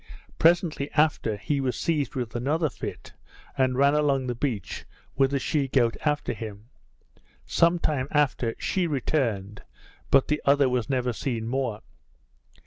Presently after, he was seized with another fit, and ran along the beach, with the she goat after him. Some time after she returned, but the other was never seen more.